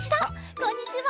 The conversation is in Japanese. こんにちは！